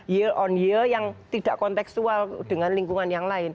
year on year yang tidak konteksual dengan lingkungan yang lain